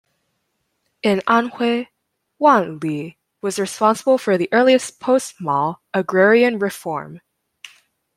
In Anhui, Wan Li was responsible for the earliest post-Mao agrarian reform.